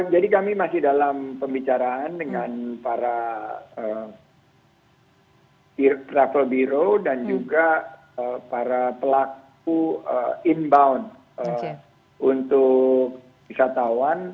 jadi kami masih dalam pembicaraan dengan para travel bureau dan juga para pelaku inbound untuk wisatawan